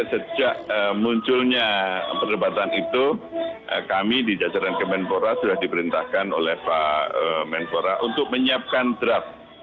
sejak munculnya perdebatan itu kami di jajaran kemenpora sudah diperintahkan oleh pak menpora untuk menyiapkan draft